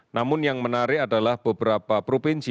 namun yang menarik adalah beberapa provinsi